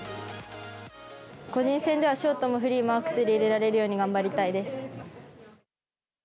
個人戦ではショートもフリーも、アクセル入れられるように頑張りたいです。